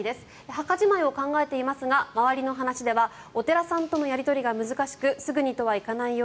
墓じまいを考えていますが周りの話ではお寺さんとのやり取りが難しくすぐにとはいかないと。